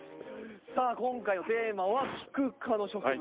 さあ今回のテーマはキク科の植物。